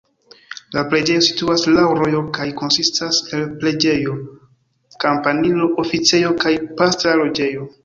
La preĝejo situas laŭ rojo kaj konsistas el preĝejo, kampanilo, oficejo kaj pastra loĝejo.